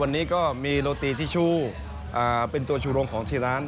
วันนี้ก็มีโรตีทิชชู่เป็นตัวชูโรงของที่ร้าน